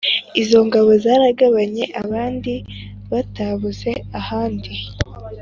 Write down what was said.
Izo ngabo Zaragabanye abandi Batabuze ahandi!